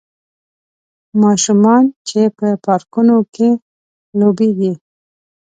ماشومان چې په پارکونو کې لوبیږي